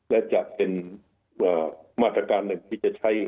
และจะเป็นมาตรการหนึ่งที่จะใช้